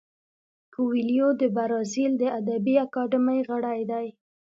کویلیو د برازیل د ادبي اکاډمۍ غړی دی.